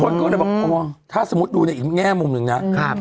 คนก็เลยบอกอ๋อถ้าสมมุติดูในอีกแง่มุมหนึ่งนะ